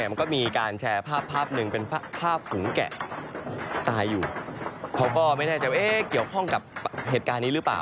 มันก็มีการแชร์ภาพภาพหนึ่งเป็นภาพฝูงแกะตายอยู่เขาก็ไม่แน่ใจว่าเกี่ยวข้องกับเหตุการณ์นี้หรือเปล่า